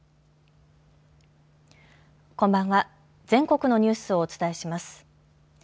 全国のニュースをお伝えします。